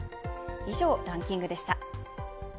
以上、ランキングでした。